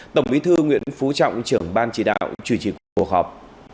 tổng bí thư nguyễn phú trọng trưởng ban chỉ đạo chủ trì cuộc họp